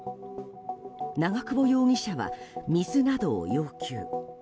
長久保容疑者は水などを要求。